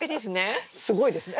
すごいですね。